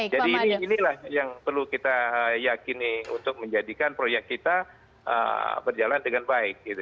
jadi inilah yang perlu kita yakini untuk menjadikan proyek kita berjalan dengan baik